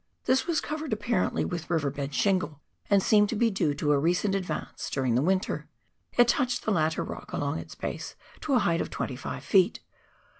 This was covered apparently with river bed shingle, and seemed to be due to a recent advance during the winter ; it touched the latter rock along its base to a height of 25 ft.